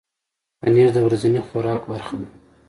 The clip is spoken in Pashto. پنېر د ورځني خوراک برخه ده.